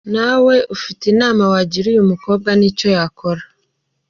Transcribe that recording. Nawe ufite inama wagira uyu mukobwa n’icyo yakora.